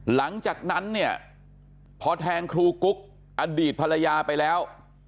หลังจากนั้นเนี่ยพอแทงครูกุ๊กอดีตภรรยาไปแล้ว